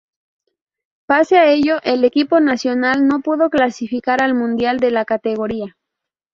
Pese a ello, el equipo nacional no pudo clasificar al Mundial de la categoría.